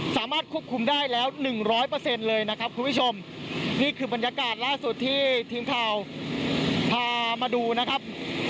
สามารถควบคุมได้แล้วหนึ่งร้อยเปอร์เซ็นต์เลยนะครับคุณผู้ชมนี่คือบรรยากาศล่าสุดที่ทีมข่าวพามาดูนะครับ